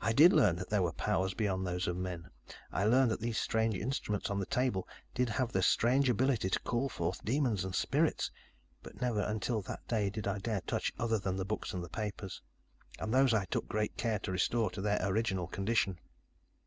"I did learn that there were powers beyond those of men. I learned that these strange instruments on the table did have strange ability to call forth demons and spirits, but never until that day did I dare touch other than the books and papers. And those I took great care to restore to their original condition.